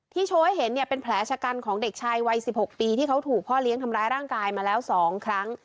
โชว์ให้เห็นเนี่ยเป็นแผลชะกันของเด็กชายวัย๑๖ปีที่เขาถูกพ่อเลี้ยงทำร้ายร่างกายมาแล้ว๒ครั้ง